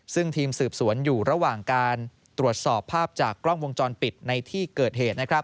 ซึ่งทีมสืบสวนอยู่ระหว่างการตรวจสอบภาพจากกล้องวงจรปิดในที่เกิดเหตุ